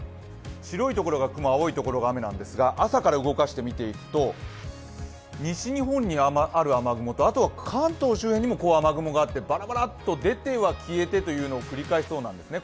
白いところが雲、青いところが雨なんですが朝から動かして見ていくと、西日本にある雨雲と、あとは関東周辺にも雨雲があってバラバラッと出ては消えてを繰り返しそうなんですね。